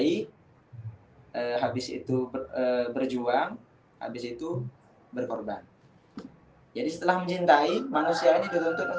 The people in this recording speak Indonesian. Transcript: hai habis itu berjuang habis itu berkorban jadi setelah mencintai manusia ini tentu untuk